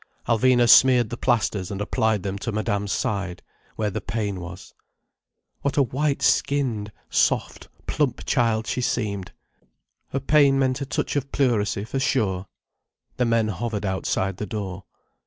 Alvina smeared the plasters and applied them to Madame's side, where the pain was. What a white skinned, soft, plump child she seemed! Her pain meant a touch of pleurisy, for sure. The men hovered outside the door.